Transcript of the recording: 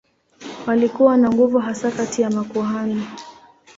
Walikuwa na nguvu hasa kati ya makuhani.